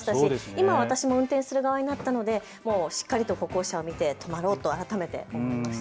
今、私が運転する側になったのでしっかりと歩行者を見て止まろうと改めて思いました。